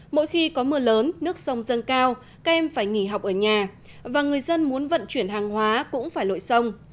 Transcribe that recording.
mỗi khi có mưa lớn nước sông dâng cao các em phải nghỉ học ở nhà và người dân muốn vận chuyển hàng hóa cũng phải lội sông